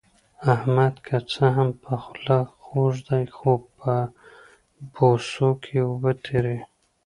احمد که څه هم په خوله خوږ دی، خو په بوسو کې اوبه تېروي.